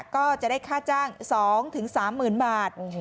ก็จะได้ค่าจ้าง๒๓หมื่นบาท